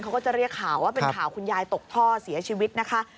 เขาก็จะเรียกข่าวว่าเป็นข่าวคุณยายตกท่อเสียชีวิตนะคะ